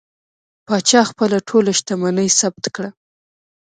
پاچا خپله ټوله شتمني ثبت کړه.